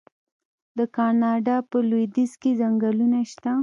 د کاناډا په لویدیځ کې ځنګلونه شته.